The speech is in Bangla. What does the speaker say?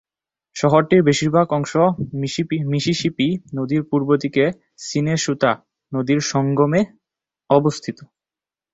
শহরটির বেশিরভাগ অংশ মিসিসিপি নদীর পূর্বদিকে মিনেসোটা নদীর সঙ্গমে অবস্থিত।